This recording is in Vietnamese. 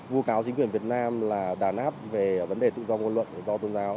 vô cáo chính quyền việt nam là đàn áp về vấn đề tự do ngôn luận tự do tôn giáo